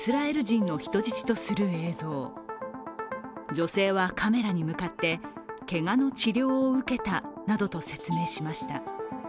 女性はカメラに向かって「けがの治療を受けた」などと説明しました。